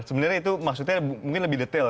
sebenarnya itu maksudnya mungkin lebih detail